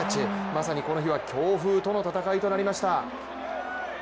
まさにこの日は強風との戦いとなりました。